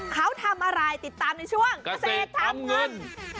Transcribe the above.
เขาทำอะไรติดตามในช่วงเกษตรทำเงิน